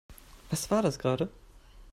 Was war das gerade?